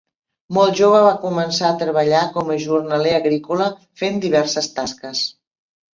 Molt jove va començar a treballar com a jornaler agrícola fent diverses tasques.